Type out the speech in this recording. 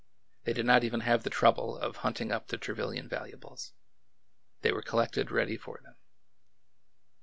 They did not even have the trouble of hunting up the Trevilian valuables. They were collected ready for them.